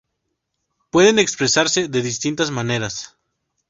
Pueden expresarse de distintas maneras.